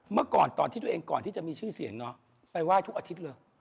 เมื่อก่อนตอนที่ตัวเองก่อนที่จะมีชื่อเสียงเนาะไปไหว้ทุกอาทิตย์เลย